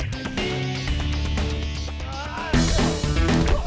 kamu patron aku kah